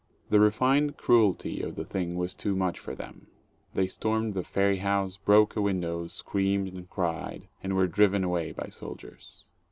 The refined cruelty of the thing was too much for them; they stormed the ferry house, broke a window, screamed and cried, and were driven away by soldiers.